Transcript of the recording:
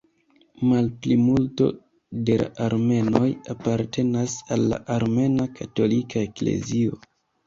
Malplimulto de la armenoj apartenas al la Armena Katolika Eklezio.